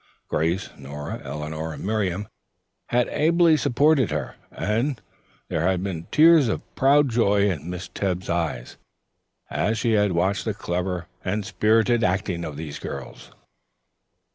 Grace, Nora, Eleanor and Miriam had ably supported her and there had been tears of proud joy in Miss Tebbs's eyes as she had watched the clever and spirited acting of these girls.